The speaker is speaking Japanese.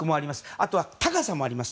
あとは高さもあります。